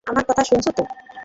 আমার কথা শুনেছো তো?